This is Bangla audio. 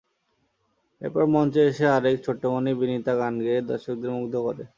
এরপর মঞ্চে এসে আরেক ছোট্টমণি বিনীতা গান গেয়ে দর্শকদের মুগ্ধ করে।